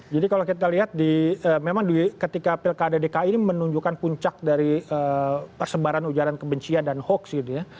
jadi kalau kita lihat memang ketika pilkada dki ini menunjukkan puncak dari persebaran ujaran kebencian dan hoax gitu ya